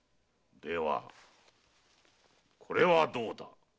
ではこれはどうだ？